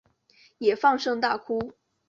也放声大哭